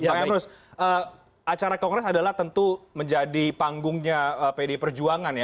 bang emrus acara kongres adalah tentu menjadi panggungnya pdi perjuangan ya